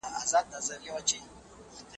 نوی سیستم د پخواني پر ځای راغی.